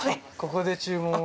ここで注文を。